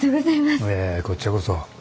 いやいやこっちゃこそ。